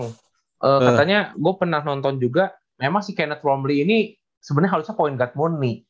katanya gue pernah nonton juga memang si kenneth romley ini sebenernya harusnya point guard murni